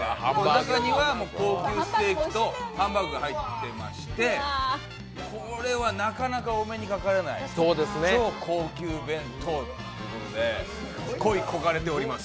中には高級ステーキとハンバーグが入ってましてこれはなかなかお目にかかれない超高級弁当ということで恋い焦がれております。